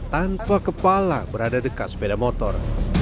tanpa kepala berada dekat sepeda motor